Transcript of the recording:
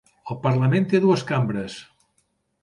El Parlament té dues cambres.